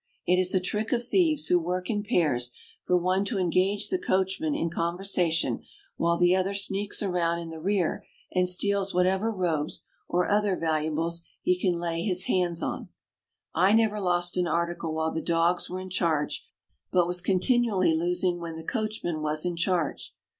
It is a trick of thieves who work in pairs for one to engage the coachman in conversation, while the other sneaks around in the rear and steals whatever robes or other valuables he can lay his THE DALMATIAN DOG. 611 hands on. I never lost an article while the dogs were in charge, but was continually losing when the coachman was in charge.